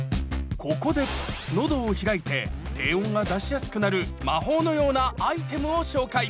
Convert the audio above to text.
ここで喉を開いて低音が出しやすくなる魔法のようなアイテムを紹介！